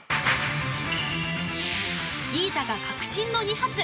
ギータが確信の２発。